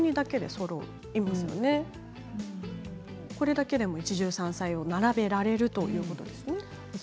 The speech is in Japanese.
それでも一汁三菜が並べられるということなんです。